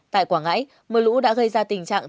tại quảng ngãi mưa lũ đã gây ra tình trạng